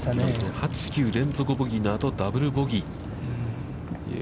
８９連続ボギーの後、ダブル・ボギー。